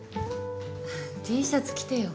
Ｔシャツ着てよ。